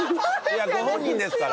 いやご本人ですから。